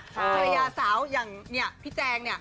ภรรยาสาวอย่างเนี่ยพี่แจงเนี่ย